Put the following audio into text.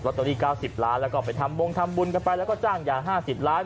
ละตัวนี้เก้าสิบล้านแล้วก็ไปทำวงทำบุญกันไปแล้วก็จ้างยาห้าสิบล้าน